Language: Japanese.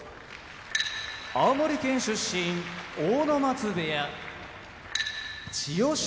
青森県出身阿武松部屋千代翔